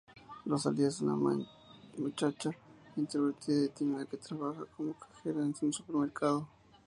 Rosalía es una muchacha introvertida y tímida que trabaja como cajera en un supermercado.